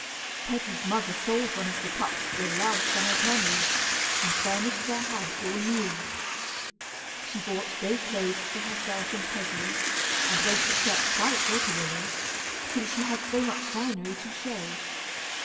Peggy's mother sold one of the cups for a large sum of money, and furnished their house all new. She bought gay clothes for herself and Peggy, and went to church quite regularly, since she had so much finery to show.